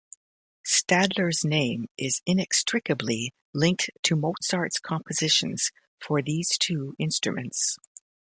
Stadler's name is inextricably linked to Mozart's compositions for these two instruments.